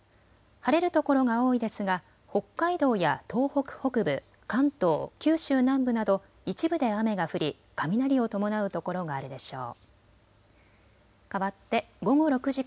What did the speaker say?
晴れる所が多いですが北海道や東北北部、関東、九州南部など一部で雨が降り雷を伴う所があるでしょう。